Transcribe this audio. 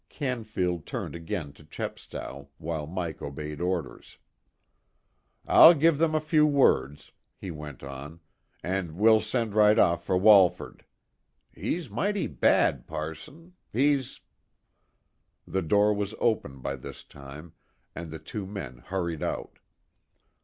Canfield turned again to Chepstow, while Mike obeyed orders. "I'll give 'em a few words," he went on, "an' we'll send right off for Walford. He's mighty bad, passon. He's " The door was open by this time, and the two men hurried out.